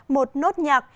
một nốt nhạc